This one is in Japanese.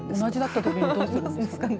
同じだったときどうするんですかね。